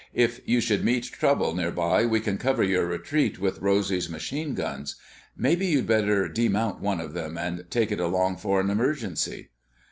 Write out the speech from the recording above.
"If you should meet trouble near by we can cover your retreat with Rosy's machine guns. Maybe you'd better demount one of them and take it along for an emergency."